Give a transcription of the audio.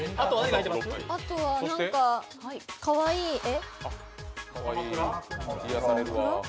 あとはなんか、かわいい絵。